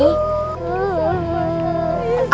aku mau makan